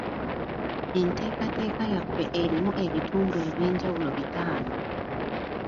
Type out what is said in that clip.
Enteekateeka yaffe erimu ebitundu eby'enjawulo bitaano.